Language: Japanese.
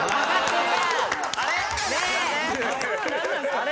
あれ？